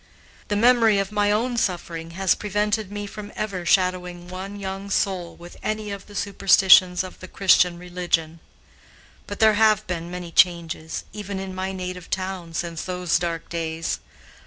The memory of my own suffering has prevented me from ever shadowing one young soul with any of the superstitions of the Christian religion. But there have been many changes, even in my native town, since those dark days.